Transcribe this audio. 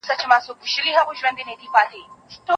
د ټولني دردونه دوا کړئ.